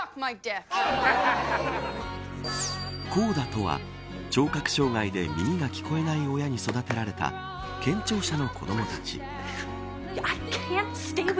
ＣＯＤＡとは聴覚障害で耳が聞こえない親に育てられた健常者の子どもたち。